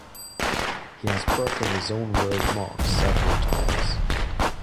He has broken his own world mark several times.